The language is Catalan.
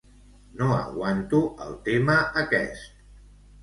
No aguanto el tema aquest.